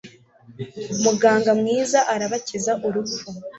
muganga mwiza arabakiza urupfu